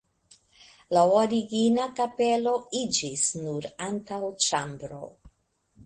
La origina kapelo iĝis nur antaŭĉambro.